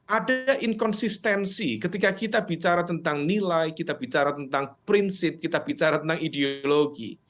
ada inkonsistensi ketika kita bicara tentang nilai kita bicara tentang prinsip kita bicara tentang ideologi